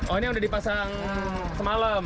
oh ini udah dipasang semalam